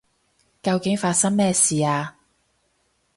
究竟發生咩事啊？